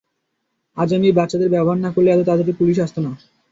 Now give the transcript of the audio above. আজ, আমি এই বাচ্চাদের ব্যবহার না করলে, এত তাড়াতাড়ি পুলিশ আসতো না।